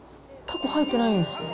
たこ入ってないんですよ。